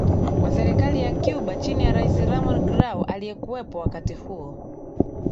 Wa serikali ya Cuba chini ya Rais Ramón Grau aliyekuwepo wakati huo